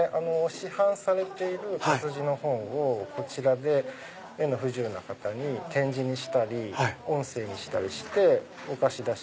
市販されている活字の本をこちらで目の不自由な方に点字にしたり音声にしたりしてお貸し出ししている。